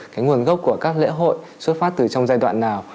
cái nguồn gốc của các lễ hội xuất phát từ trong giai đoạn nào